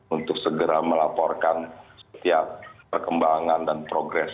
untuk segera melaporkan setiap perkembangan dan progres